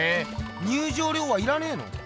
入場料はいらねえの？